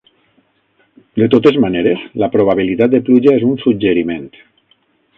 De totes maneres, la probabilitat de pluja és un "suggeriment".